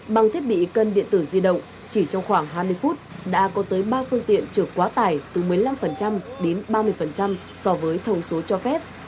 bằng thiết bị cân điện tử di động chỉ trong khoảng hai mươi phút đã có tới ba phương tiện trượt quá tải từ một mươi năm đến ba mươi so với thông số cho phép